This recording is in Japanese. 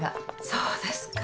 そうですか。